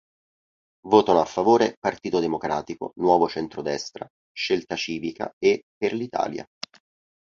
Votano a favore Partito Democratico, Nuovo Centrodestra, Scelta Civica e Per l'Italia.